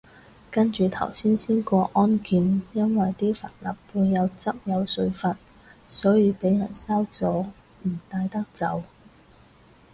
跟住頭先過安檢，因為啲帆立貝有汁有水份，所以被人收咗唔帶得走